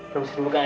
permisi di buka ya